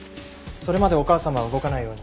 それまでお母様は動かないように。